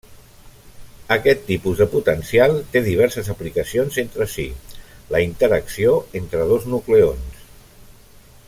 Aquest tipus de potencial té diverses aplicacions entre si, la interacció entre dos nucleons.